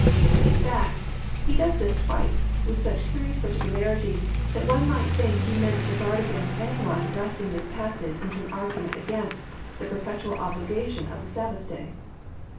In fact, He does this twice with snch carious particularity, that one might think He meant to guard against any one wresting this passage into an argument against the perpetual obligation of the Sabbath day.